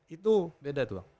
itu beda tuh